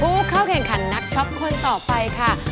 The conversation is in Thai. ผู้เข้าแข่งขันนักช็อปคนต่อไปค่ะ